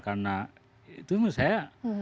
karena itu menurut saya